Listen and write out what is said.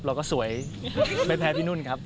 เราก็สวยไม่แพ้พี่นุ่นครับ